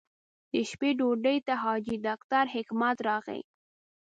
د شپې ډوډۍ ته حاجي ډاکټر حکمت راغی.